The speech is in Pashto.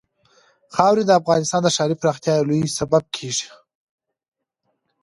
خاوره د افغانستان د ښاري پراختیا یو لوی سبب کېږي.